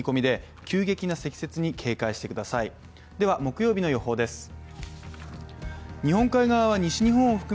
では、木曜日の予報です。